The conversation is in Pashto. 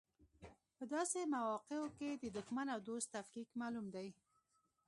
په داسې مواقعو کې د دوښمن او دوست تفکیک معلوم دی.